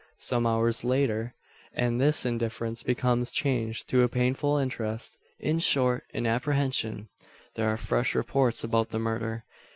Some hours later, and this indifference becomes changed to a painful interest; in short, an apprehension. There are fresh reports about the murder.